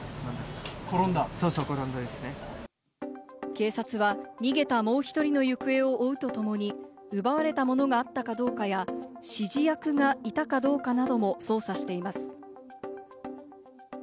警察は逃げたもう１人の行方を追うとともに、奪われたものがあったかどうかや、指示役がいたかどうかなども捜査しています。